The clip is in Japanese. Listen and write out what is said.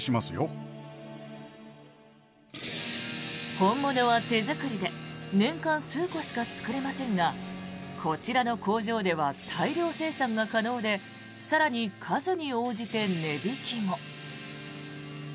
本物は手作りで年間数個しか作れませんがこちらの工場では大量生産が可能で更に、数に応じて値引きも。